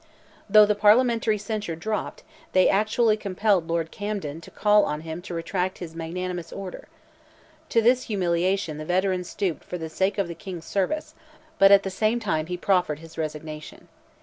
Though the Parliamentary censure dropped, they actually compelled Lord Camden to call on him to retract his magnanimous order. To this humiliation the veteran stooped "for the sake of the King's service," but at the same time he proffered his resignation.